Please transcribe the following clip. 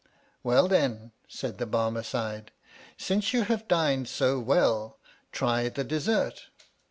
Well then, said the Barmecide, since you have dined so well, try the dessert.